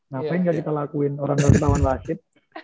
ngapain gak kita lakuin orang yang setahun wasit